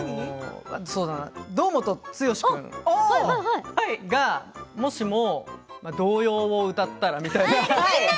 堂本剛君堂本剛君がもしも童謡を歌ったらみたいな。